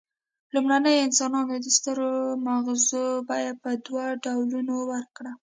لومړنیو انسانانو د سترو مغزو بیه په دوو ډولونو ورکړه.